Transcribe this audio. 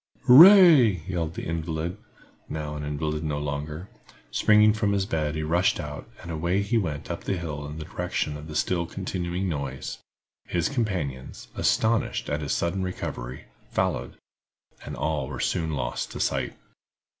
"Hooray!" yelled the invalid, now an invalid no longer. Springing from his bed he rushed out, and away he went up the hills in the direction of the still continuing noise. His companions, astonished at his sudden recovery, followed, and all were soon lost to sight.